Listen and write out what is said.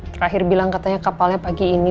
terakhir bilang katanya kapalnya pagi ini